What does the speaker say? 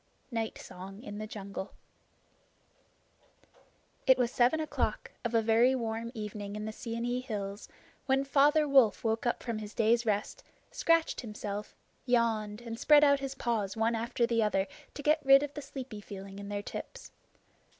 Night Song in the Jungle It was seven o'clock of a very warm evening in the Seeonee hills when Father Wolf woke up from his day's rest, scratched himself, yawned, and spread out his paws one after the other to get rid of the sleepy feeling in their tips.